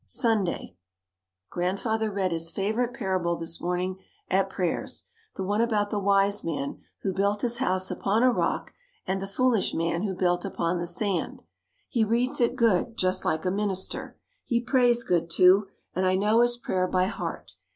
Sunday. Grandfather read his favorite parable this morning at prayers the one about the wise man who built his house upon a rock and the foolish man who built upon the sand. He reads it good, just like a minister. He prays good, too, and I know his prayer by heart.